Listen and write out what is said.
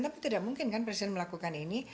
tapi tidak mungkin kan presiden melakukan ini